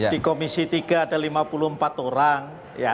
di komisi tiga ada lima puluh empat orang